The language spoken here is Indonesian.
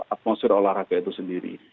atmosfer olahraga itu sendiri